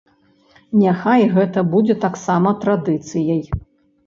Няхай гэта будзе таксама традыцыяй.